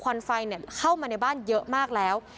ควันไฟเข้ามาในบ้านเยอะมากแล้ว